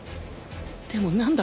でも何だ！？